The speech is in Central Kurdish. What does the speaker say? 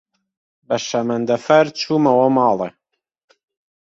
بە شەمەندەفەر چوومەوە ماڵێ.